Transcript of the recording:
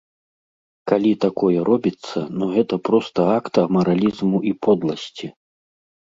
Калі такое робіцца, ну гэта проста акт амаралізму і подласці.